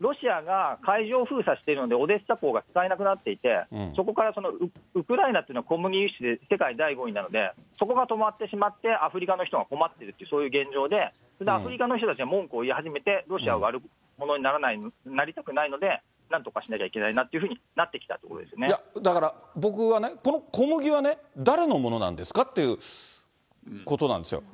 ロシアが海上封鎖しているので、オデーサ港が使えなくなっていて、そこから、ウクライナというのは小麦輸出で世界第５位なので、そこが止まってしまって、アフリカの人が困っているという、そういう現状で、それでアフリカの人たちが文句を言い始めて、ロシアは悪者になりたくないので、なんとかしなきゃいけないなっていうふうになってきたということだから、僕はね、この小麦はね、誰のものなんですか？っていうことなんですよ。